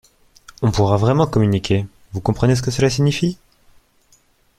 On pourra vraiment communiquer, vous comprenez ce que cela signifie?